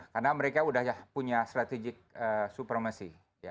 karena mereka sudah punya strategik supramasi